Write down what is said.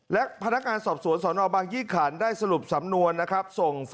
และพนักงานสอบสวนสนบางยี่ขันได้สรุปสำนวนนะครับ